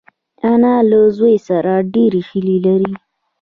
انا له زوی سره ډېرې هیلې لري